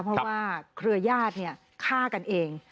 เพราะว่าเครือญาติฆ่ากันเอง